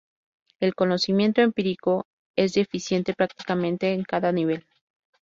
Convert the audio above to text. El conocimiento empírico es deficiente, prácticamente en cada nivel.